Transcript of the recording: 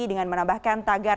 dengan menambahkan tagline